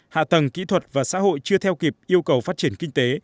hạ tầng kỹ thuật và xã hội chưa theo kịp yêu cầu phát triển kinh tế